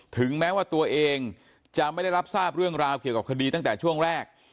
ถึงแม้ว่าตัวเองจะไม่ได้รับทราบเรื่องราวเกี่ยวกับคดีตั้งแต่ช่วงแรก